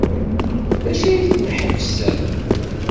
D acu ay ten-iḥebsen?